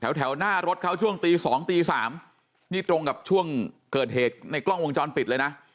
แถวหน้ารถเขาช่วงตี๒ตี๓นี่ตรงกับช่วงเกิดเหตุในกล้องวงจรปิดเลยนะ